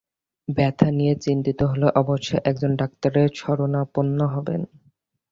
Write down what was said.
ব্যথা নিয়ে চিন্তিত হলে অবশ্যই একজন ডাক্তারের শরনাপন্ন হবেন।